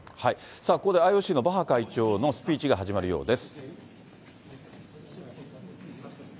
さあ、ここでＩＯＣのバッハ会長のスピーチが始まるようです。